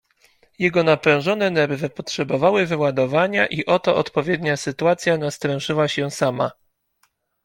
"Jego naprężone nerwy potrzebowały wyładowania i oto odpowiednia sytuacja nastręczyła się sama."